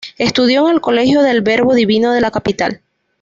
Estudió en el Colegio del Verbo Divino de la capital.